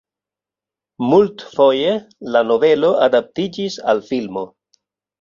Multfoje la novelo adaptiĝis al filmo.